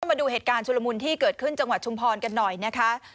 มาดูเหตุการณ์ชุลมุนที่เกิดขึ้นจังหวัดชุมพรกันหน่อยนะคะ